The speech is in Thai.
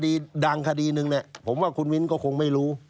คดีดังคดีหนึ่งเนี่ยผมว่าคุณมิ้นก็คงไม่รู้